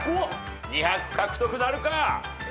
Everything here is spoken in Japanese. ２００獲得なるか？